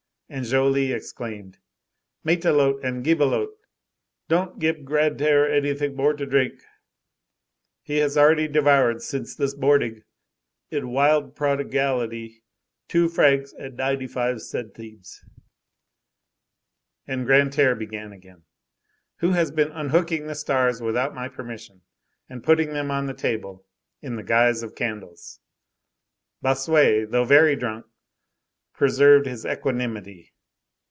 And Joly exclaimed:— "Matelote and Gibelotte, dod't gib Grantaire anything more to drink. He has already devoured, since this bording, in wild prodigality, two francs and ninety five centibes." And Grantaire began again:— "Who has been unhooking the stars without my permission, and putting them on the table in the guise of candles?" Bossuet, though very drunk, preserved his equanimity.